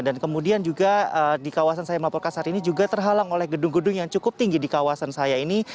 dan kemudian juga di kawasan saya melaporkan saat ini juga terhalang oleh gedung gedung yang cukup tinggi di kawasan saya ini